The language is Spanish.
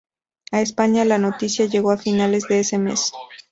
A España la noticia llegó a finales de ese mes.